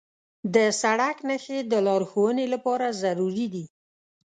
د سړک نښې د لارښوونې لپاره ضروري دي.